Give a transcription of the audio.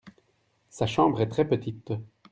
Sa chambre est très petite.